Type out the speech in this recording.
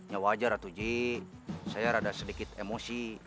ya wajar atau ji saya rada sedikit emosi